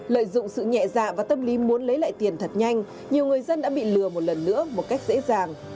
lợi dụng sự nhẹ dạ và tâm lý muốn lấy lại tiền thật nhanh nhiều người dân đã bị lừa một lần nữa một cách dễ dàng